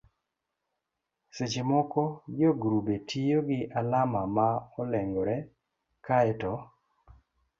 seche moko jogrube tiyo gi alama ma olengore kae to